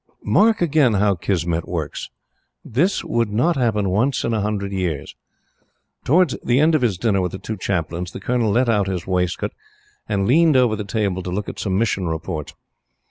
Mark again how Kismet works! This would not happen once in a hundred years. Towards the end of his dinner with the two Chaplains, the Colonel let out his waistcoat and leaned over the table to look at some Mission Reports.